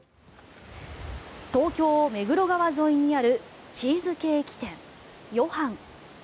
東京・目黒川沿いにあるチーズケーキ店、ヨハン。